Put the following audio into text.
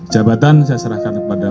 jabatan saya serahkan kepada